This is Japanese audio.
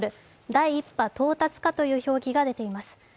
第１波到達かという表記が出ています。